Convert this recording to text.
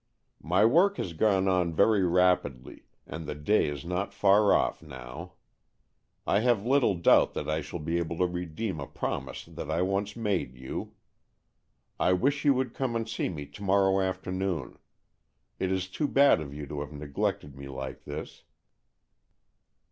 " My work has gone on very rapidly, and the day is not far off now. I have little doubt that I shall be able to redeem a promise that I once made you. I wish you would come and see me to morrow afternoon. It is too bad of you to have neglected me like this."